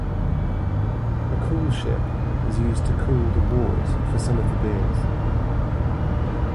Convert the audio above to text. A coolship is used to cool the wort for some of the beers.